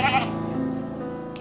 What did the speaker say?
mami tinggalin sendiri ya